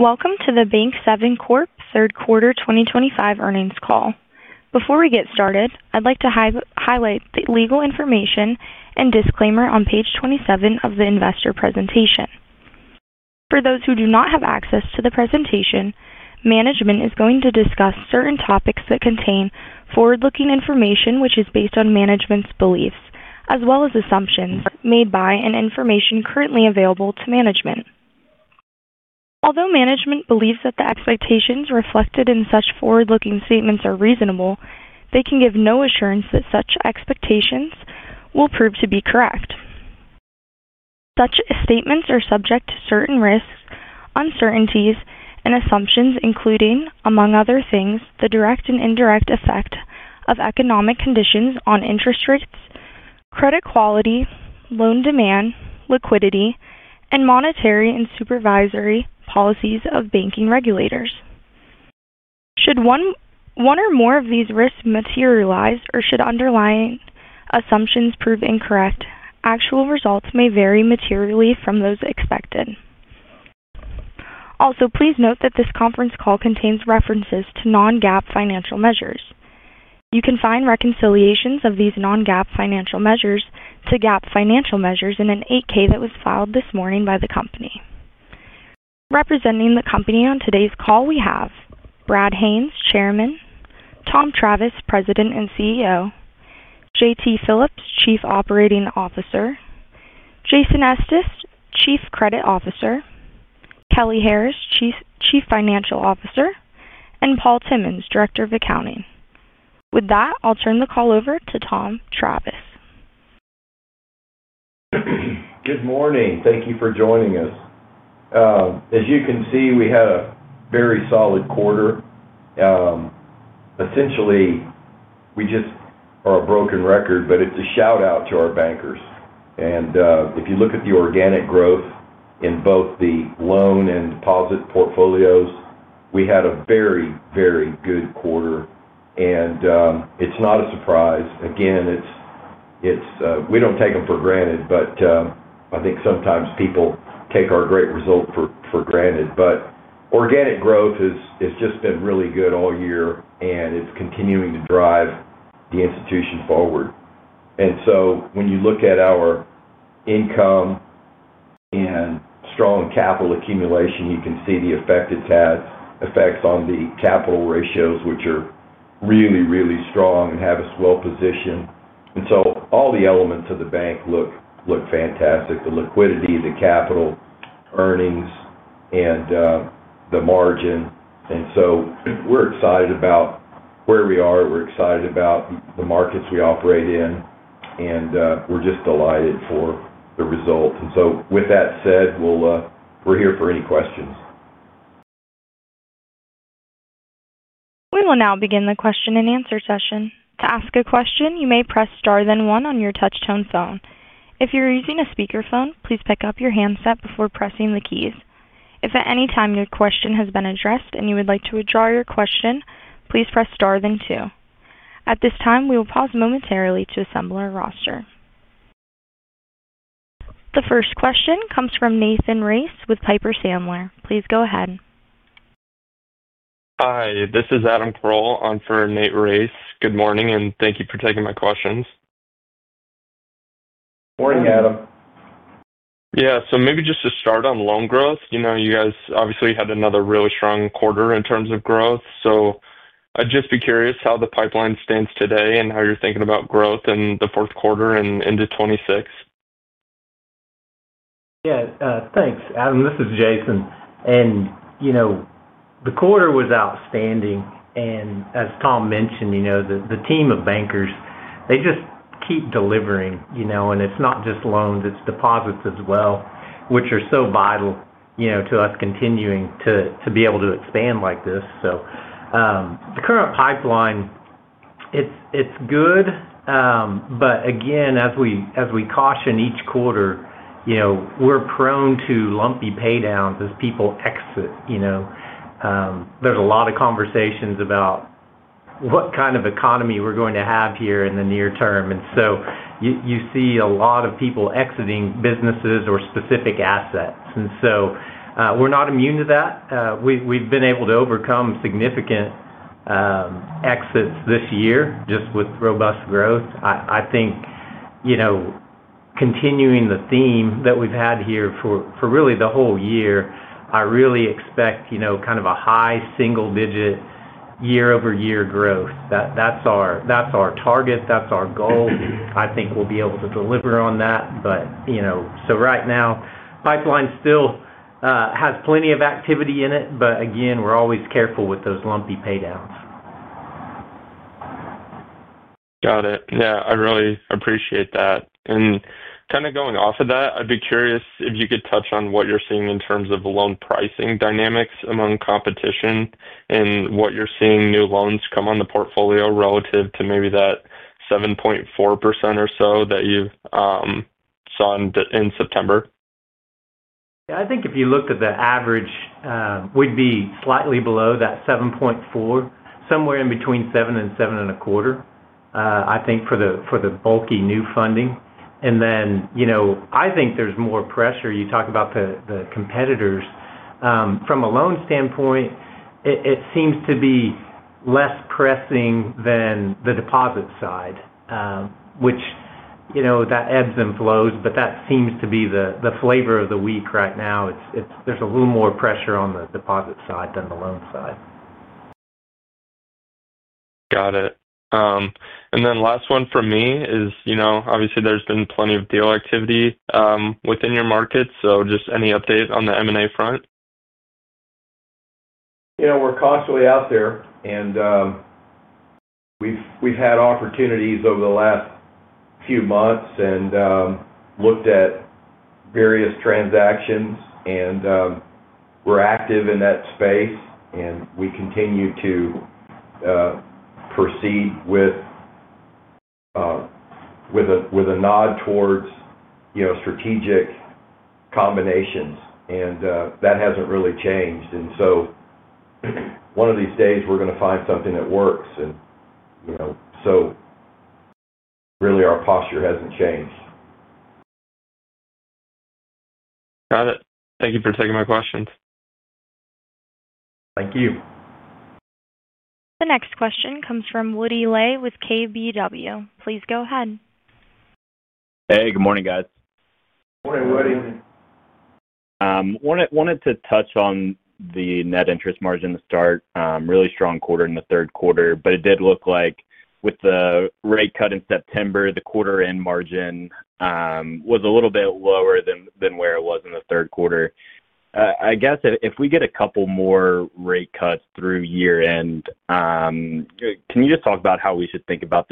Welcome to the Bank7 Corp. third quarter 2025 earnings call. Before we get started, I'd like to highlight the legal information and disclaimer on page 27 of the investor presentation. For those who do not have access to the presentation, management is going to discuss certain topics that contain forward-looking information which is based on management's beliefs, as well as assumptions made by and information currently available to management. Although management believes that the expectations reflected in such forward-looking statements are reasonable, they can give no assurance that such expectations will prove to be correct. Such statements are subject to certain risks, uncertainties, and assumptions, including, among other things, the direct and indirect effect of economic conditions on interest rates, credit quality, loan demand, liquidity, and monetary and supervisory policies of banking regulators. Should one or more of these risks materialize, or should underlying assumptions prove incorrect, actual results may vary materially from those expected. Also, please note that this conference call contains references to non-GAAP financial measures. You can find reconciliations of these non-GAAP financial measures to GAAP financial measures in an 8K that was filed this morning by the company. Representing the company on today's call, we have Brad Haines, Chairman; Tom Travis, President and CEO; J.T. Phillips, Chief Operating Officer; Jason Estes, Chief Credit Officer; Kelly Harris, Chief Financial Officer; and Paul Timmons, Director of Accounting. With that, I'll turn the call over to Tom Travis. Good morning. Thank you for joining us. As you can see, we had a very solid quarter. Essentially, we just are a broken record, but it's a shout-out to our bankers. If you look at the organic growth in both the loan and deposit portfolios, we had a very, very good quarter, and it's not a surprise. We don't take them for granted, but I think sometimes people take our great result for granted. Organic growth has just been really good all year, and it's continuing to drive the institution forward. When you look at our income and strong capital accumulation, you can see the effect it's had, effects on the capital ratios, which are really, really strong and have us well positioned. All the elements of the bank look fantastic: the liquidity, the capital, earnings, and the margin. We're excited about where we are. We're excited about the markets we operate in, and we're just delighted for the result. With that said, we're here for any questions. We will now begin the question and answer session. To ask a question, you may press star, then one on your touch-tone phone. If you're using a speaker phone, please pick up your handset before pressing the keys. If at any time your question has been addressed and you would like to withdraw your question, please press star, then two. At this time, we will pause momentarily to assemble our roster. The first question comes from Nathan Race with Piper Sandler. Please go ahead. Hi, this is Adam Perl on for Nathan Race. Good morning, and thank you for taking my questions. Morning, Adam. Maybe just to start on loan growth, you guys obviously had another really strong quarter in terms of growth. I'd just be curious how the pipeline stands today and how you're thinking about growth in the fourth quarter and into 2026. Yeah, thanks, Adam. This is Jason. The quarter was outstanding. As Tom mentioned, the team of bankers just keep delivering, and it's not just loans, it's deposits as well, which are so vital to us continuing to be able to expand like this. The current pipeline is good. As we caution each quarter, we're prone to lumpy paydowns as people exit. There are a lot of conversations about what kind of economy we're going to have here in the near term. You see a lot of people exiting businesses or specific assets, and we're not immune to that. We've been able to overcome significant exits this year just with robust growth. I think, continuing the theme that we've had here for really the whole year, I really expect kind of a high single-digit year-over-year growth. That's our target, that's our goal. I think we'll be able to deliver on that. Right now, the pipeline still has plenty of activity in it. We're always careful with those lumpy paydowns. Got it. I really appreciate that. Kind of going off of that, I'd be curious if you could touch on what you're seeing in terms of loan pricing dynamics among competition and what you're seeing new loans come on the portfolio relative to maybe that 7.4% or so that you saw in September. Yeah, I think if you looked at the average, we'd be slightly below that 7.4, somewhere in between 7 and 7.25, I think, for the bulky new funding. I think there's more pressure. You talk about the competitors. From a loan standpoint, it seems to be less pressing than the deposit side, which ebbs and flows, but that seems to be the flavor of the week right now. There's a little more pressure on the deposit side than the loan side. Got it. Last one for me is, you know, obviously there's been plenty of deal activity within your markets. Just any update on the M&A front? We're constantly out there, and we've had opportunities over the last few months and looked at various transactions. We're active in that space, and we continue to proceed with a nod towards strategic combinations, and that hasn't really changed. One of these days, we're going to find something that works. Our posture hasn't changed. Got it. Thank you for taking my questions. Thank you. The next question comes from Woody Lay with KBW. Please go ahead. Hey, good morning, guys. Morning, Woody. I wanted to touch on the net interest margin to start. Really strong quarter in the third quarter, but it did look like with the rate cut in September, the quarter-end margin was a little bit lower than where it was in the third quarter. I guess if we get a couple more rate cuts through year-end, can you just talk about how we should think about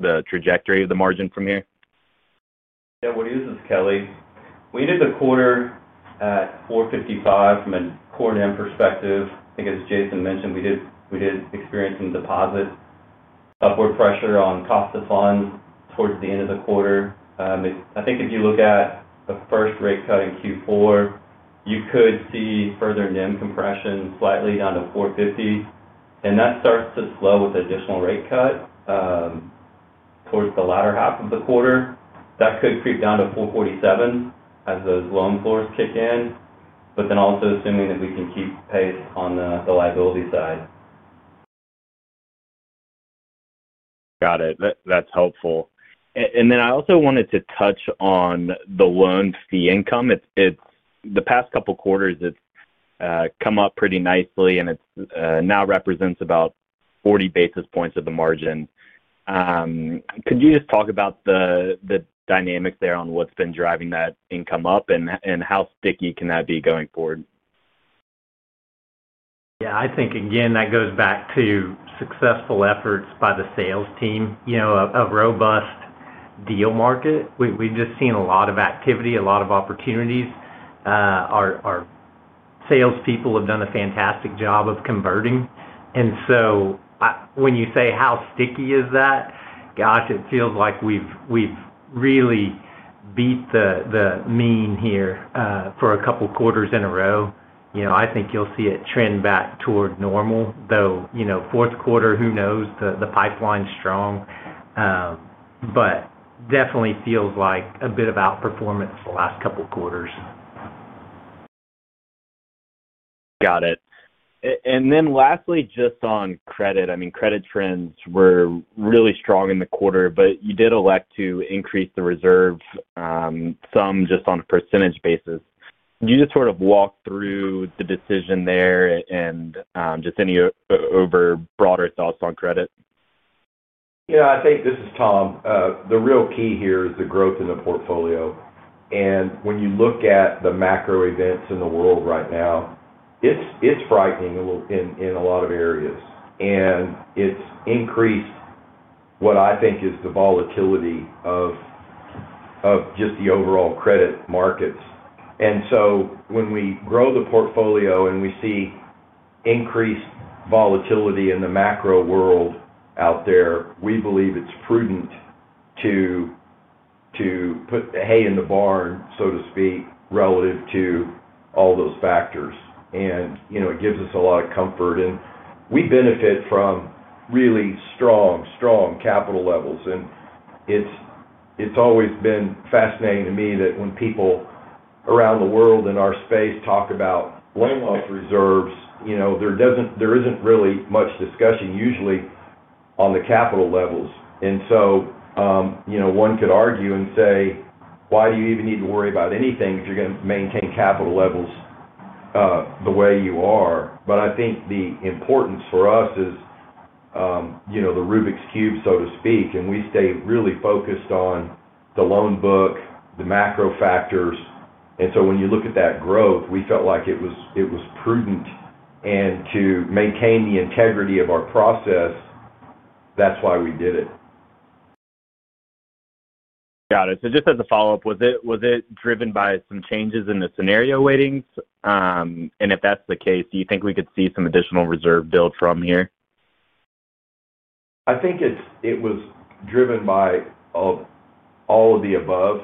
the trajectory of the margin from here? Yeah, what is this, Kelly? We did the quarter at 4.55% from a core net interest margin perspective. I think, as Jason mentioned, we did experience some deposit upward pressure on cost of funds towards the end of the quarter. I think if you look at the first rate cut in Q4, you could see further net interest margin compression slightly down to 4.50%, and that starts to slow with the additional rate cut towards the latter half of the quarter. That could creep down to 4.47% as those loan floors kick in, but then also assuming that we can keep pace on the liability side. Got it. That's helpful. I also wanted to touch on the loan fee income. The past couple of quarters, it's come up pretty nicely, and it now represents about 40 basis points of the margin. Could you just talk about the dynamics there on what's been driving that income up and how sticky can that be going forward? I think, again, that goes back to successful efforts by the sales team. You know, a robust deal market. We've just seen a lot of activity, a lot of opportunities. Our salespeople have done a fantastic job of converting. When you say how sticky is that, gosh, it feels like we've really beat the mean here for a couple of quarters in a row. I think you'll see it trend back toward normal, though. You know, fourth quarter, who knows? The pipeline's strong, but definitely feels like a bit of outperformance the last couple of quarters. Got it. Lastly, just on credit, credit trends were really strong in the quarter, but you did elect to increase the reserve some just on a % basis. Could you just sort of walk through the decision there and any over broader thoughts on credit? Yeah, I think this is Tom. The real key here is the growth in the portfolio. When you look at the macro events in the world right now, it's frightening in a lot of areas. It's increased what I think is the volatility of just the overall credit markets. When we grow the portfolio and we see increased volatility in the macro world out there, we believe it's prudent to put hay in the barn, so to speak, relative to all those factors. It gives us a lot of comfort. We benefit from really strong, strong capital levels. It's always been fascinating to me that when people around the world in our space talk about landlocked reserves, there isn't really much discussion usually on the capital levels. One could argue and say, "Why do you even need to worry about anything if you're going to maintain capital levels the way you are?" I think the importance for us is the Rubik's cube, so to speak. We stay really focused on the loan book, the macro factors. When you look at that growth, we felt like it was prudent. To maintain the integrity of our process, that's why we did it. Got it. Just as a follow-up, was it driven by some changes in the scenario weightings? If that's the case, do you think we could see some additional reserve build from here? I think it was driven by all of the above.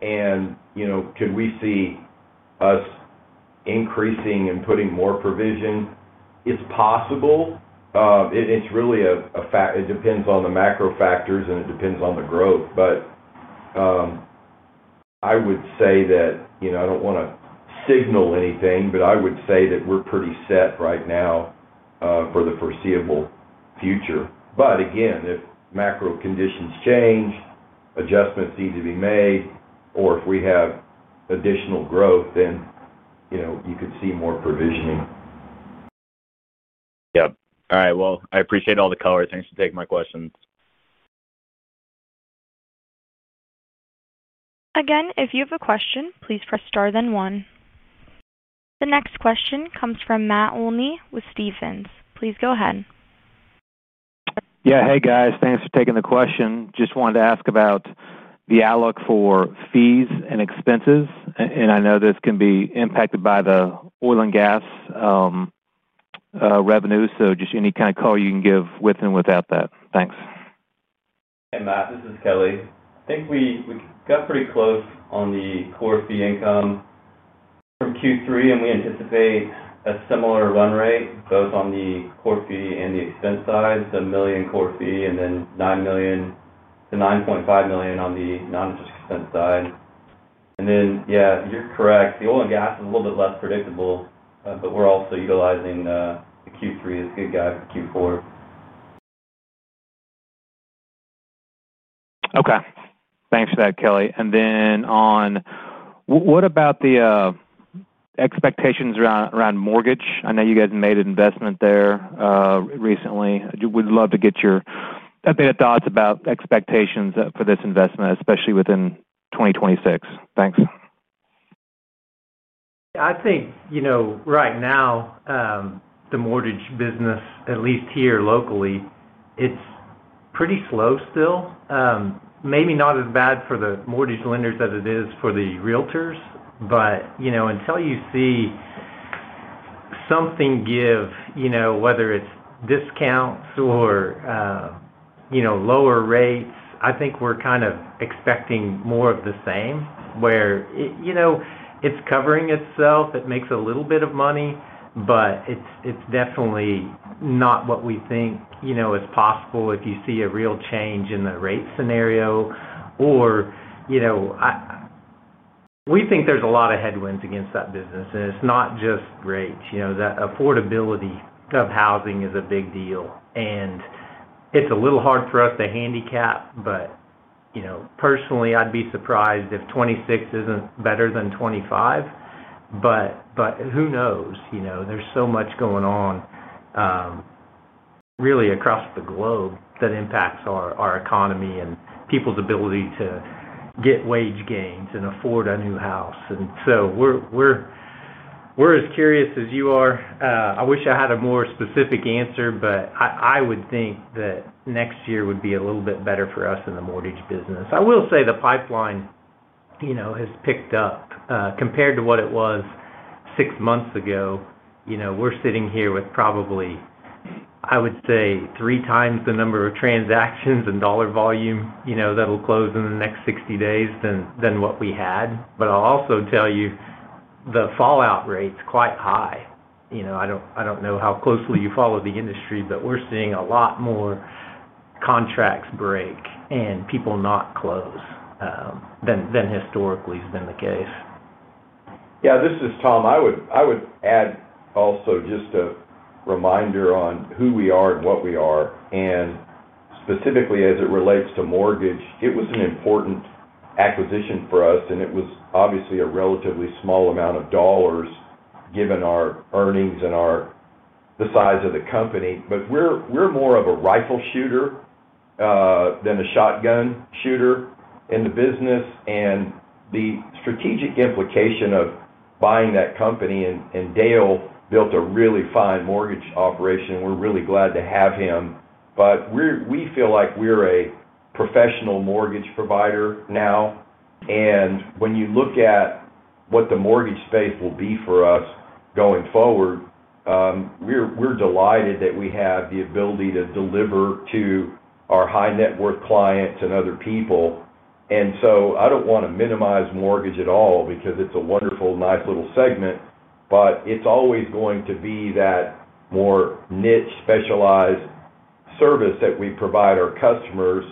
Could we see us increasing and putting more provision? It's possible. It's really a factor. It depends on the macro factors, and it depends on the growth. I would say that I don't want to signal anything, but I would say that we're pretty set right now for the foreseeable future. If macro conditions change, adjustments need to be made, or if we have additional growth, then you could see more provisioning. All right. I appreciate all the color. Thanks for taking my questions. Again, if you have a question, please press star, then one. The next question comes from Matt Olney with Stephens. Please go ahead. Yeah. Hey, guys. Thanks for taking the question. Just wanted to ask about the outlook for fees and expenses. I know this can be impacted by the oil and gas revenue. Just any kind of call you can give with and without that. Thanks. Hey, Matt. This is Kelly. I think we got pretty close on the core fee income from Q3, and we anticipate a similar run rate both on the core fee and the expense side, the $1 million core fee, and then $9 million-$9.5 million on the non-interest expense side. Yeah, you're correct. The oil and gas is a little bit less predictable, but we're also utilizing the Q3 as a good guide for Q4. Okay. Thanks for that, Kelly. What about the expectations around mortgage? I know you guys made an investment there recently. We'd love to get your updated thoughts about expectations for this investment, especially within 2026. Thanks. Yeah, I think right now, the mortgage business, at least here locally, it's pretty slow still. Maybe not as bad for the mortgage lenders as it is for the realtors. Until you see something give, whether it's discounts or lower rates, I think we're kind of expecting more of the same where it's covering itself. It makes a little bit of money, but it's definitely not what we think. It's possible if you see a real change in the rate scenario, or we think there's a lot of headwinds against that business. It's not just rates. That affordability of housing is a big deal, and it's a little hard for us to handicap. Personally, I'd be surprised if 2026 isn't better than 2025, but who knows? There's so much going on really across the globe that impacts our economy and people's ability to get wage gains and afford a new house. We're as curious as you are. I wish I had a more specific answer, but I would think that next year would be a little bit better for us in the mortgage business. I will say the pipeline has picked up compared to what it was six months ago. We're sitting here with probably, I would say, three times the number of transactions and dollar volume that'll close in the next 60 days than what we had. I'll also tell you the fallout rate's quite high. I don't know how closely you follow the industry, but we're seeing a lot more contracts break and people not close than historically has been the case. Yeah, this is Tom. I would add also just a reminder on who we are and what we are. Specifically, as it relates to mortgage, it was an important acquisition for us. It was obviously a relatively small amount of dollars given our earnings and the size of the company. We're more of a rifle shooter than a shotgun shooter in the business. The strategic implication of buying that company, and Dale built a really fine mortgage operation. We're really glad to have him. We feel like we're a professional mortgage provider now. When you look at what the mortgage space will be for us going forward, we're delighted that we have the ability to deliver to our high-net-worth clients and other people. I don't want to minimize mortgage at all because it's a wonderful, nice little segment. It's always going to be that more niche, specialized service that we provide our customers.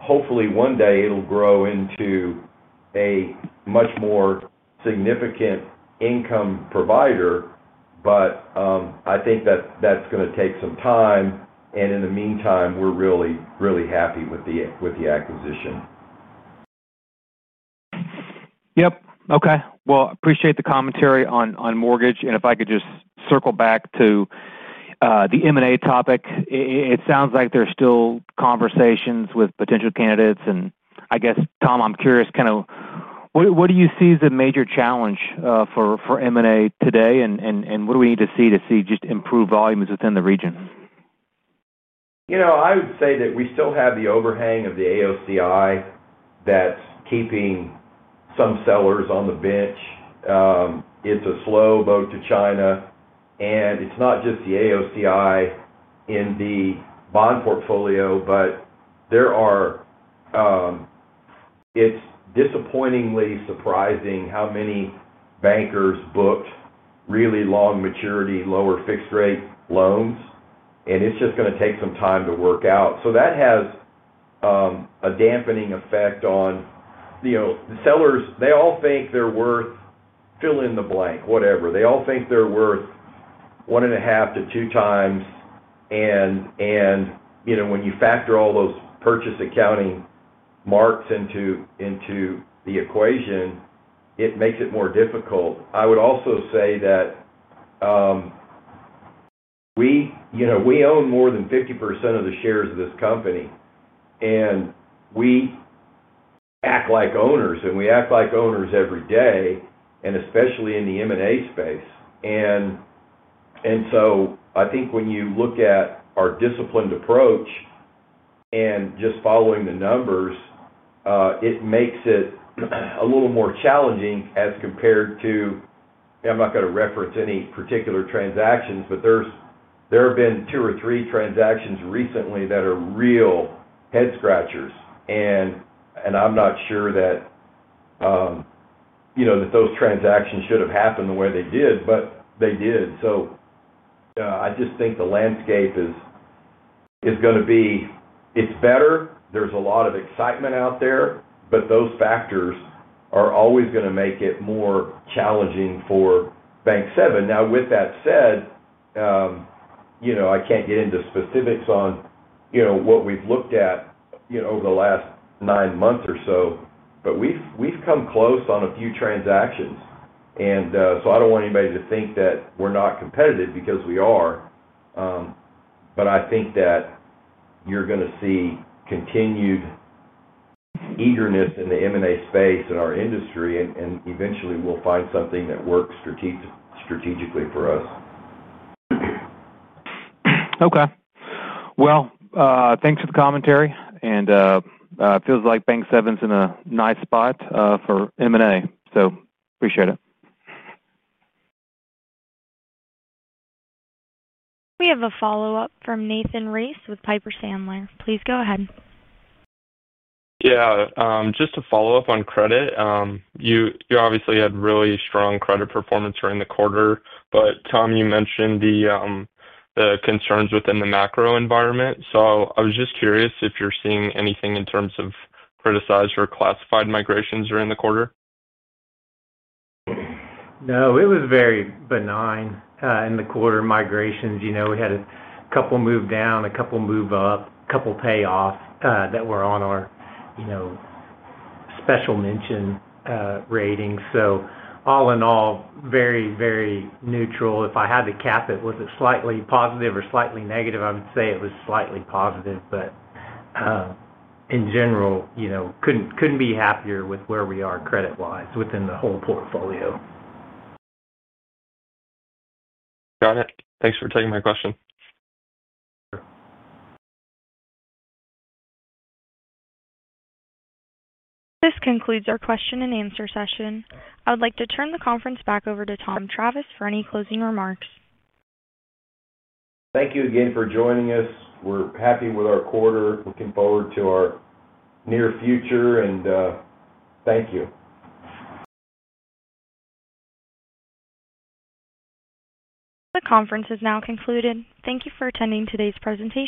Hopefully, one day it'll grow into a much more significant income provider. I think that that's going to take some time. In the meantime, we're really, really happy with the acquisition. Okay. I appreciate the commentary on mortgage. If I could just circle back to the M&A topic, it sounds like there's still conversations with potential candidates. I guess, Tom, I'm curious, kind of what do you see as a major challenge for M&A today? What do we need to see to see just improved volumes within the region? I would say that we still have the overhang of the AOCI that's keeping some sellers on the bench. It's a slow boat to China. It's not just the AOCI in the bond portfolio, but it's disappointingly surprising how many bankers booked really long maturity, lower fixed-rate loans. It's just going to take some time to work out. That has a dampening effect on the sellers. They all think they're worth fill in the blank, whatever. They all think they're worth one and a half to two times. When you factor all those purchase accounting marks into the equation, it makes it more difficult. I would also say that we own more than 50% of the shares of this company. We act like owners, and we act like owners every day, especially in the M&A space. I think when you look at our disciplined approach and just following the numbers, it makes it a little more challenging as compared to, I'm not going to reference any particular transactions, but there have been two or three transactions recently that are real head-scratchers. I'm not sure that those transactions should have happened the way they did, but they did. I just think the landscape is going to be, it's better. There's a lot of excitement out there, but those factors are always going to make it more challenging for Bank7. With that said, I can't get into specifics on what we've looked at over the last nine months or so, but we've come close on a few transactions. I don't want anybody to think that we're not competitive because we are. I think that you're going to see continued eagerness in the M&A space and our industry, and eventually, we'll find something that works strategically for us. Thank you for the commentary. It feels like Bank7 Corp. is in a nice spot for M&A activity. I appreciate it. We have a follow-up from Nathan Race with Piper Sandler. Please go ahead. Yeah, just to follow up on credit, you obviously had really strong credit performance during the quarter. Tom, you mentioned the concerns within the macro environment. I was just curious if you're seeing anything in terms of criticized or classified migrations during the quarter? No, it was very benign in the quarter migrations. We had a couple move down, a couple move up, a couple pay off that were on our special mention ratings. All in all, very, very neutral. If I had to cap it, was it slightly positive or slightly negative? I would say it was slightly positive. In general, couldn't be happier with where we are credit-wise within the whole portfolio. Got it. Thanks for taking my question. This concludes our question and answer session. I would like to turn the conference back over to Tom Travis for any closing remarks. Thank you again for joining us. We're happy with our quarter, looking forward to our near future, and thank you. The conference is now concluded. Thank you for attending today's presentation.